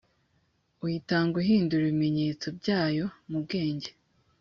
uyitanga uhindura ibimenyetso byayo mu bwenge